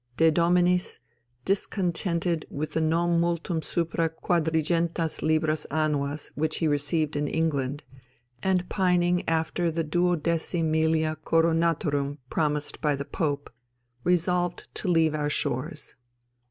De Dominis, discontented with the non multum supra quadringentas libras annuas which he received in England, and pining after the duodecim millia Coronatorum promised by the Pope, resolved to leave our shores.